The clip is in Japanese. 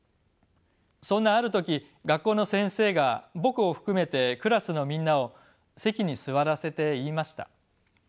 そんなある時学校の先生が僕を含めてクラスのみんなを席に座らせて言いました。